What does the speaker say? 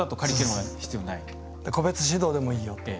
個別指導でもいいよ。